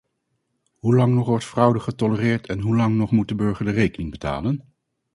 Hoelang nog wordt fraude getolereerd en hoelang nog moet de burger de rekening betalen?